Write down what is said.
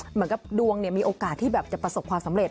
เหมือนกับดวงมีโอกาสที่แบบจะประสบความสำเร็